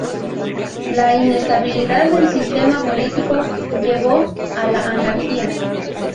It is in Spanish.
La inestabilidad del sistema político llevó a la anarquía.